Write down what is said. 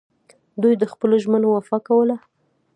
دوی د خپلو ژمنو وفا کوله